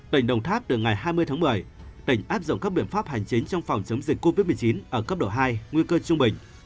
tỉnh đồng tháp từ ngày hai mươi tháng một mươi tỉnh áp dụng các biện pháp hành chính trong phòng chống dịch covid một mươi chín ở cấp độ hai nguy cơ trung bình